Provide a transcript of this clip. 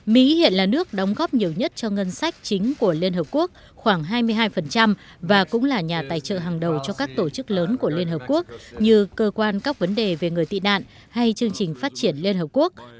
mỹ hiện là nước đóng góp nhiều nhất cho ngân sách chính của liên hợp quốc khoảng hai mươi hai và cũng là nhà tài trợ hàng đầu cho các tổ chức lớn của liên hợp quốc như cơ quan các vấn đề về người tị nạn hay chương trình phát triển liên hợp quốc